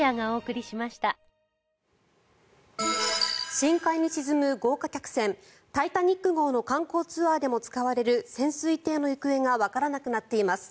深海に沈む豪華客船「タイタニック号」の観光ツアーでも使われる潜水艇の行方がわからなくなっています。